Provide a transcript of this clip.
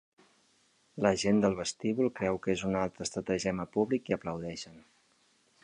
La gent del vestíbul creu que és un altre estratagema públic i aplaudeixen.